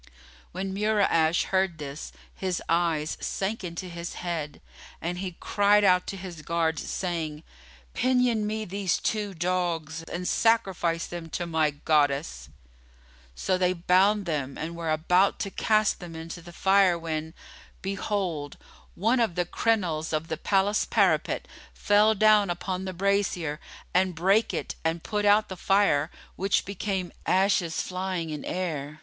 When Mura'ash heard this, his eyes sank into his head[FN#29] and he cried out to his guards, saying, "Pinion me these two dogs and sacrifice them to my Goddess." So they bound them and were about to cast them into the fire when, behold, one of the crenelles of the palace parapet fell down upon the brazier and brake it and put out the fire, which became ashes flying in air.